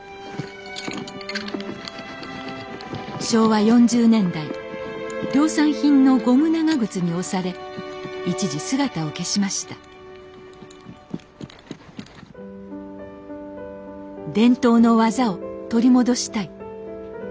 昭和４０年代量産品のゴム長靴に押され一時姿を消しました伝統の技を取り戻したい。